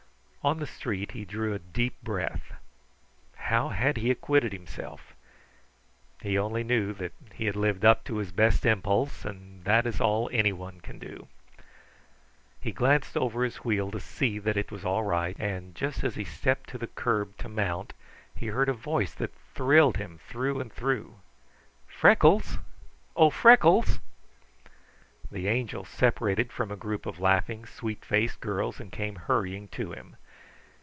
On the street he drew a deep breath. How had he acquitted himself? He only knew that he had lived up to his best impulse, and that is all anyone can do. He glanced over his wheel to see that it was all right, and just as he stepped to the curb to mount he heard a voice that thrilled him through and through: "Freckles! Oh Freckles!" The Angel separated from a group of laughing, sweet faced girls and came hurrying to him.